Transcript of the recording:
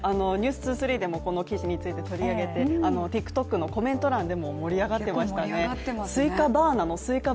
「ｎｅｗｓ２３」でもこの記事について取り上げてＴｉｋＴｏｋのコメント欄でも盛り上がっていましたね。